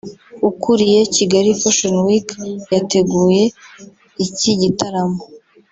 ukuriye Kigali Fashion Week yateguye iki gitaramo